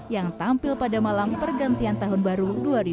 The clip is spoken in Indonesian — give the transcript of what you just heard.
yang tampil pada malam pergantian tahun baru dua ribu dua puluh